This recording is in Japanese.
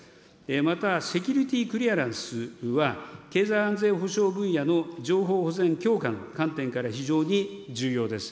またセキュリティ・クリアランスは経済安全保障分野の情報保全強化の観点から非常に重要です。